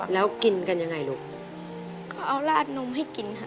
แล้วกินกันยังไงลูกเขาเอาราดนมให้กินค่ะ